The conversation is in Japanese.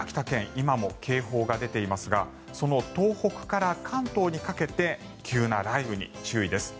今も警報が出ていますがその東北から関東にかけて急な雷雨に注意です。